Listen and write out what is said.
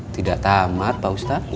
tidak tamat pak ustadz